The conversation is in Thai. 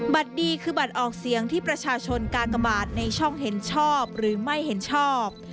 บัตรดีคือบัตรออกเสียงที่ประชาชนกากบาทในช่องเห็นชอบหรือไม่เห็นชอบ